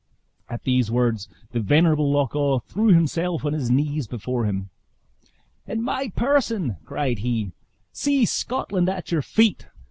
At these words the venerable Loch awe threw himself on his knees before him. "In my person," cried he, "see Scotland at your feet!